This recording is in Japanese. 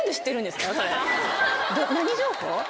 何情報？